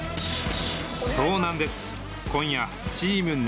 そうなんです